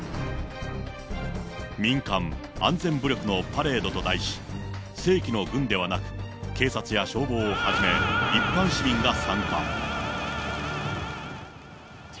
民間・安全武力のパレードと題し、正規の軍ではなく、警察や消防はじめ、一般市民が参加。